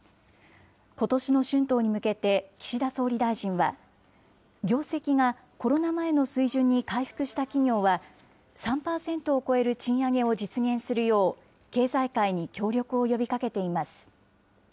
ことしの春闘に向けて、岸田総理大臣は、業績が、コロナ前の水準に回復した企業は、３％を超える賃上げを実現するよう、経済界に協力を呼びかけています。